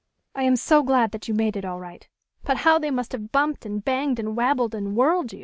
"I am so glad that you made it all right. But how they must have bumped and banged and wabbled and whirled you!"